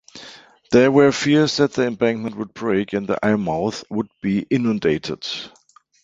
There were fears that the embankment would break and Eyemouth would be inundated.